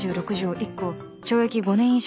１項懲役５年以上